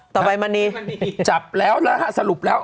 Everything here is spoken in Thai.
ต่อไปมันนีจับแล้วนะฮะสรุปแล้ว